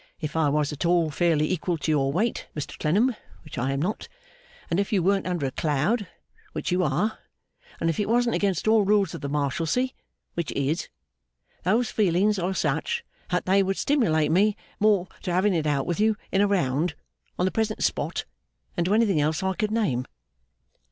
If I was at all fairly equal to your weight, Mr Clennam which I am not; and if you weren't under a cloud which you are; and if it wasn't against all rules of the Marshalsea which it is; those feelings are such, that they would stimulate me, more to having it out with you in a Round on the present spot than to anything else I could name.